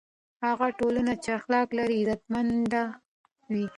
هغه ټولنه چې اخلاق لري، عزتمنه وي.